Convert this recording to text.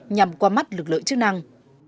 nhằm qua mắt lực lượng chức năng